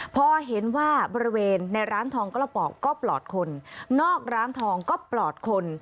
พอเห็นว่าบริเวณในร้านทองกระป๋องก็ปลอดคนนอกร้านทองก็ปลอดคน